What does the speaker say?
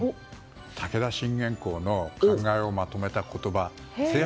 武田信玄公の語録をまとめた言葉